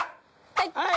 はい！